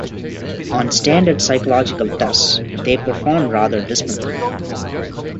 On standard psychological tests they performed rather dismally.